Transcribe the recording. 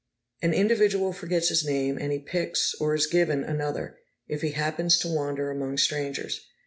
An individual forgets his name, and he picks, or is given, another, if he happens to wander among strangers.